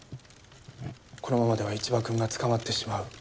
このままでは一場君が捕まってしまう。